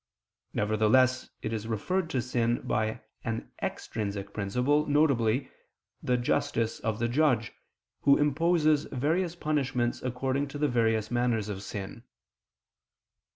Nevertheless it is referred to sin by an extrinsic principle, viz. the justice of the judge, who imposes various punishments according to the various manners of sin.